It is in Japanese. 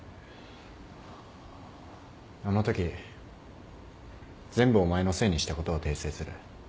あのとき全部お前のせいにしたことは訂正する。